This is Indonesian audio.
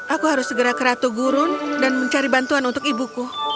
aku harus segera ke ratu gurun dan mencari bantuan untuk ibuku